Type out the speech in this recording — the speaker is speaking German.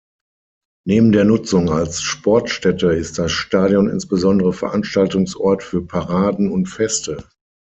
Neben der Nutzung als Sportstätte ist das Stadion insbesondere Veranstaltungsort für Paraden und Feste.